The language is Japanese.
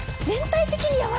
全体的に。